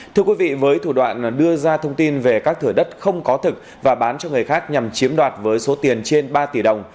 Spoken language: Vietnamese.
thưa quý vị với thủ đoạn đưa ra thông tin về các thửa đất không có thực và bán cho người khác nhằm chiếm đoạt với số tiền trên ba tỷ đồng